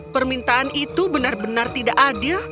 permintaan itu benar benar tidak adil